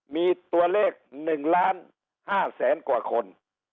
มีตัวเลขหนึ่งล้านห้าแสนกว่าคน